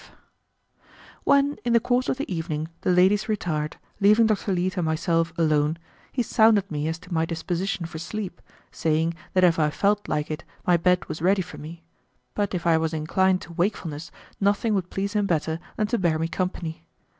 Chapter 5 When, in the course of the evening the ladies retired, leaving Dr. Leete and myself alone, he sounded me as to my disposition for sleep, saying that if I felt like it my bed was ready for me; but if I was inclined to wakefulness nothing would please him better than to bear me company.